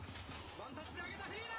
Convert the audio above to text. ワンタッチで上げた、フリーだ！